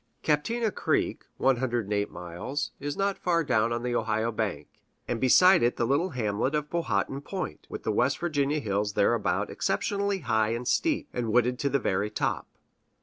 Captina Creek (108 miles) is not far down on the Ohio bank, and beside it the little hamlet of Powhattan Point, with the West Virginia hills thereabout exceptionally high and steep, and wooded to the very top.